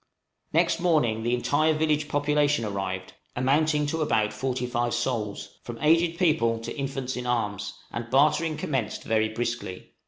Next morning the entire village population arrived, amounting to about forty five souls, from aged people to infants in arms, and bartering commenced very briskly.